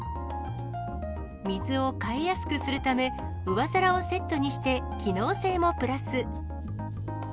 水を替えやすくするため、上皿をセットにして、機能性もプラス。